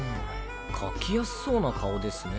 描きやすそうな顔ですね。